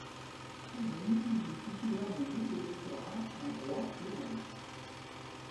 Très jeune, il est titulaire d’un double doctorat, en droit et en lettres.